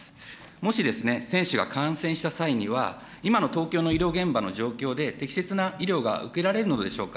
もし選手が感染した際には、今の東京の医療現場の状況で適切な医療が受けられるのでしょうか。